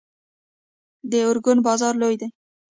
د ارګون بازار لوی دی